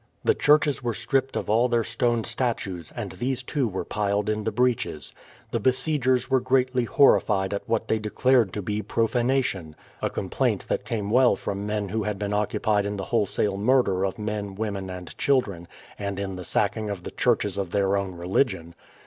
The churches were stripped of all their stone statues, and these too were piled in the breaches. The besiegers were greatly horrified at what they declared to be profanation; a complaint that came well from men who had been occupied in the wholesale murder of men, women, and children, and in the sacking of the churches of their own religion.